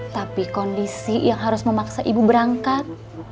tapi kondisi yang harus memaksa ibu berangkat